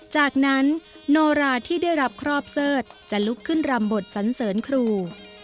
จากนั้นโนราที่ได้รับครอบเสิร์ธจะลุกขึ้นรำบทสันเสริญครู